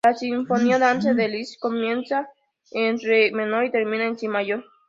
La "Sinfonía Dante" de Liszt comienza en "re" menor y termina en "si" mayor.